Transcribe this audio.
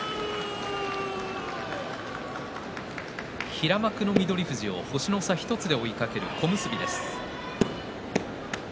平幕の翠富士を星の差１つで追いかける大栄翔です。